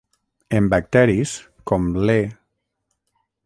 En bacteris, com l’E.